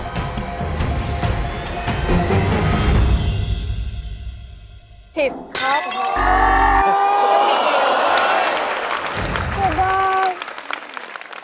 เกิดได้